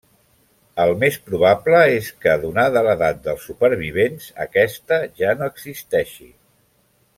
El més probable és que, donada l'edat dels supervivents, aquesta ja no existeixi.